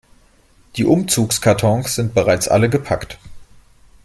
Die Umzugskartons sind bereits alle gepackt.